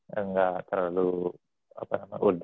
ya gak terlalu apa namanya urgent